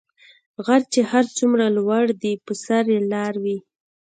غر چی هر څومره لوړ دي په سر یي لار وي .